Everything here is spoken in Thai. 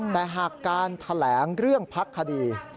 แต่หากการแถลงเรื่องพักคดี